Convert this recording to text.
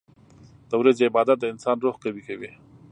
• د ورځې عبادت د انسان روح قوي کوي.